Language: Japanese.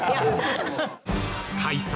開催。